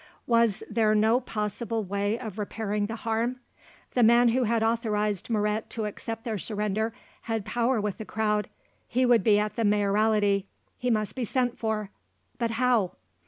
Was there no possible way of repairing the harm? The man who had authorised Moret to accept their surrender had power with the crowd; he would be at the Mayoralty, he must be sent for, but how?